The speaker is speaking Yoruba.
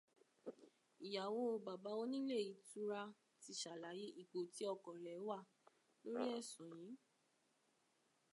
Ìyàwó bàbá onílé ìtura ti sàlàyé ipò tí ọkọ rẹ̀ wà lórí ẹ̀sùn yìí.